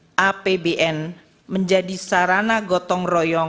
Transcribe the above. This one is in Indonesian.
dan menjelaskan bagaimana apbn menjadi sarana gotong royong